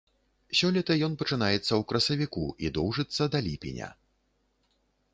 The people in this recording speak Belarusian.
Сёлета ён пачынаецца ў красавіку і доўжыцца да ліпеня.